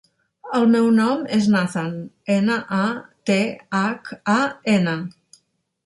El meu nom és Nathan: ena, a, te, hac, a, ena.